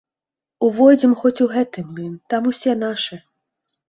Увойдзем хоць у гэты млын, там усе нашы.